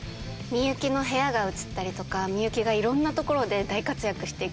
深雪の部屋がうつったりとか深雪がいろんなところで大活躍していくので。